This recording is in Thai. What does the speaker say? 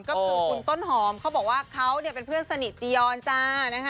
ก็คือคุณต้นหอมเขาบอกว่าเขาเนี่ยเป็นเพื่อนสนิทจียอนจ้านะคะ